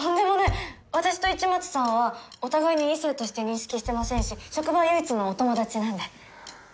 私と市松さんはお互いに異性として認識してませんし職場唯一のお友達なんで。